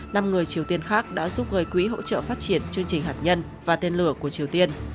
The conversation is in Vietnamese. năm người triều tiên khác đã giúp gây quỹ hỗ trợ phát triển chương trình hạt nhân và tên lửa của triều tiên